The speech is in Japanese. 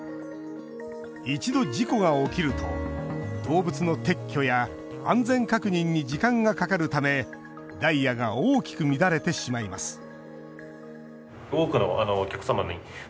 一度、事故が起きると動物の撤去や安全確認に時間がかかるためダイヤが大きく乱れてしまいます